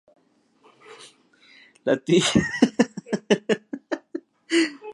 La tibia se extiende hacia abajo en dos protuberancias, izquierda y derecha.